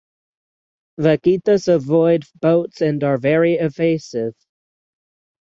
Vaquitas avoid boats and are very evasive.